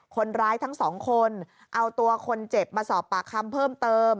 ทั้งสองคนเอาตัวคนเจ็บมาสอบปากคำเพิ่มเติม